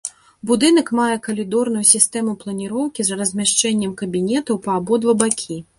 Будынак мае калідорную сістэму планіроўкі з размяшчэннем кабінетаў па абодва бакі.